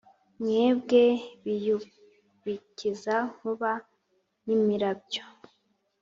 mwebwe biyubikiza nkuba nimirabyo